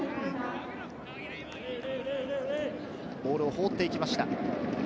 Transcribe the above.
ボールを放っていきました。